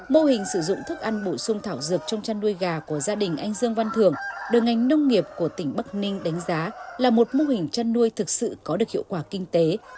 mô hình sử dụng thức ăn bổ sung thảo dược trong chăn nuôi gà của gia đình anh dương văn thường được ngành nông nghiệp của tỉnh bắc ninh đánh giá là một mô hình chăn nuôi thực sự có được hiệu quả kinh tế